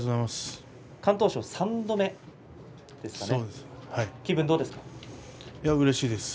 敢闘賞３度目ですね